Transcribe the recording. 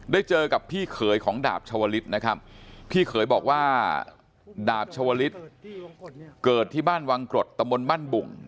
เจอกับพี่เขยของดาบชาวลิศนะครับพี่เขยบอกว่าดาบชวลิศเกิดที่บ้านวังกรดตะมนต์บ้านบุ่ง